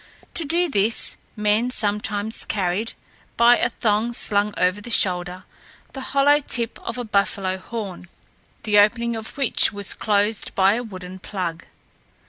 To do this, men sometimes carried, by a thong slung over the shoulder, the hollow tip of a buffalo horn, the opening of which was closed by a wooden plug.